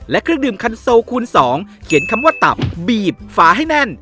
และเครื่องดื่มคันโซคูณ๒เขียนคำว่าตับบีบฝาให้แน่น